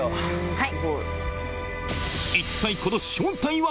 はい。